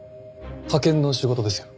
派遣の仕事ですよ。